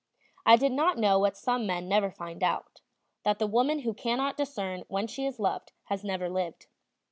I did not know what some men never find out, that the woman who cannot discern when she is loved has never lived.